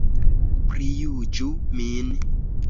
Prijuĝu min!